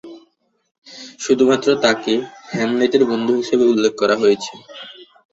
শুধুমাত্র তাকে "হ্যামলেটের বন্ধু" হিসাবে উল্লেখ করা হয়েছে।